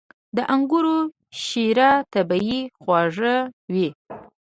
• د انګورو شیره طبیعي خوږه وي.